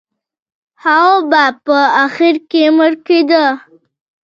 هغه به په اخر کې مړ کېده.